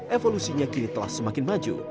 evolusinya kini telah semakin maju